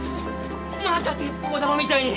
また鉄砲玉みたいに。